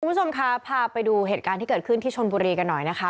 คุณผู้ชมคะพาไปดูเหตุการณ์ที่เกิดขึ้นที่ชนบุรีกันหน่อยนะคะ